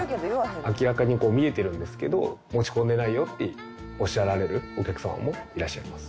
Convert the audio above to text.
明らかに見えてるんですけど「持ち込んでないよ」っておっしゃられるお客様もいらっしゃいます。